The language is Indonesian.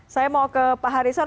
saya mau ke pak harisor